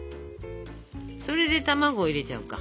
それで卵入れちゃおうか。